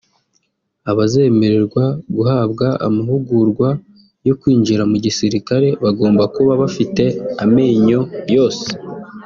Abazemererwa guhabwa amahugurwa yo kwinjira mu gisirikare bagomba kuba bafite amenyo yose